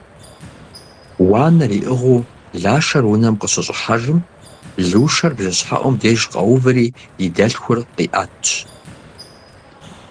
Уанэр иӏыгъыу Лашэр унэм къыщыщӏыхьэжым, Лушэр бжэщхьэӏум деж къэуври, и дэлъхур къиӏэтщ.